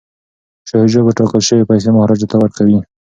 شاه شجاع به ټاکل شوې پیسې مهاراجا ته ورکوي.